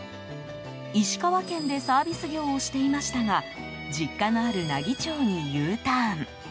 石川県でサービス業をしていましたが実家のある奈義町にＵターン。